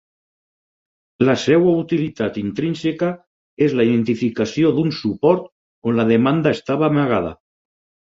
La seva utilitat intrínseca és la identificació d'un suport on la demanda estava amagada.